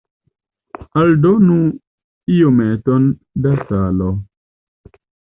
Aldonu iometon da salo.